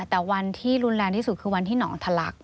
แต่วันที่รุนแรงที่สุดคือวันที่หนองทะลัก